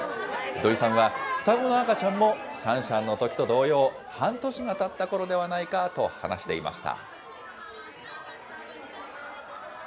土居さんは、双子の赤ちゃんもシャンシャンのときと同様、半年がたったころではないかと話していました。